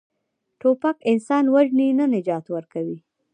توپک انسان وژني، نه نجات ورکوي.